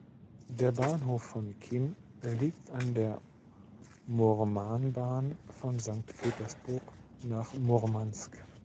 Der Bahnhof von Kem liegt an der Murmanbahn von Sankt Petersburg nach Murmansk.